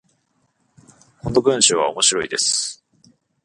この文章は面白いです。